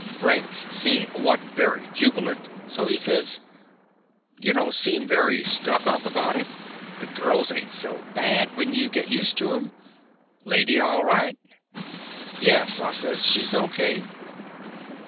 Brink seen I was n't very jubilant, so he says : "You don't seem very stuck up about it. But girls ain't so bad — when you git used to them. Lady all right?" "Yes," I says, "she's O.K."